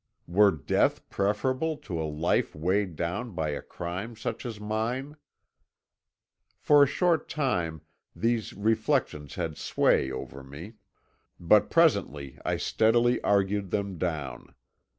Were death preferable to a life weighed down by a crime such as mine? "For a short time these reflections had sway over me, but presently I steadily argued them down.